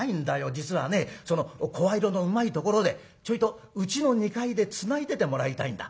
実はねその声色のうまいところでちょいとうちの２階でつないでてもらいたいんだ。